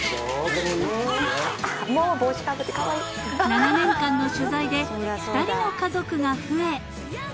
［７年間の取材で２人の家族が増え］